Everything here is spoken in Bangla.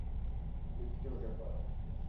লিফটে উঠে পড়!